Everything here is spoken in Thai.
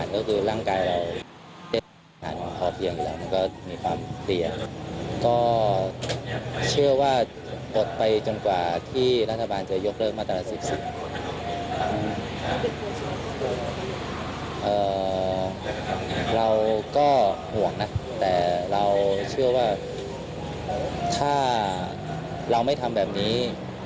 เราก็ห่วงนะแต่เราเชื่อว่าถ้าเราไม่ทำแบบนี้